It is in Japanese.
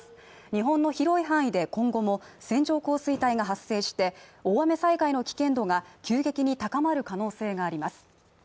日本の広い範囲で今後も線状降水帯が発生して大雨災害の危険度が急激に高まる可能性があります。